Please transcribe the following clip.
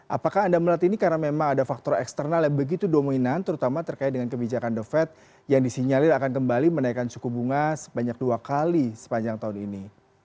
apakah anda melihat ini karena memang ada faktor eksternal yang begitu dominan terutama terkait dengan kebijakan the fed yang disinyalir akan kembali menaikkan suku bunga sebanyak dua kali sepanjang tahun ini